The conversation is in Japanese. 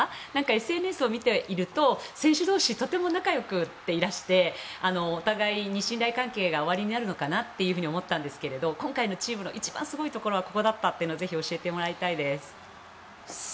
ＳＮＳを見ていると選手同士とても仲よくていらしてお互いに信頼関係がおありになるのかなと思ったんですけど今回のチームの一番すごいところはここだったというのをぜひ教えてもらいたいです。